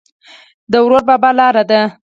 د دور بابا لاره ده